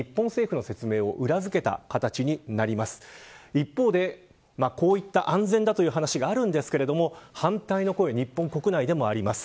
一方でこういった安全だという話があるんですけれども反対の声は日本国内でもあります。